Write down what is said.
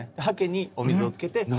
はけにお水をつけて。